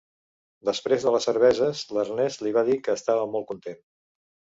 Després de les cerveses l'Ernest li va dir que estava molt content.